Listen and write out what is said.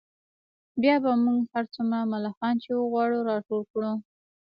بیا به موږ هر څومره ملخان چې وغواړو راټول کړو